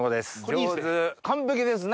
完璧ですね？